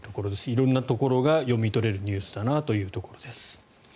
色んなところが読み取れるニュースだなというところです。